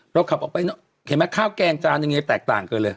เราขับออกไปเห็นไหมข้าวแกงจานอะไรอย่างงี้แตกต่างเกินเลยใช่